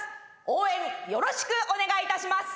応援よろしくお願いいたします。